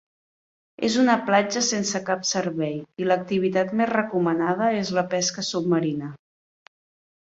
És una platja sense cap servei i l'activitat més recomanada és la pesca submarina.